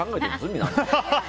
皆さんで。